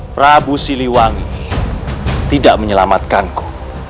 prabu siliwangi tidak menyelamatkanku